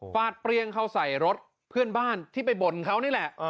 ฟาดเปรี้ยงเข้าใส่รถเพื่อนบ้านที่ไปบ่นเขานี่แหละ